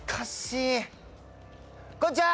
こんにちは！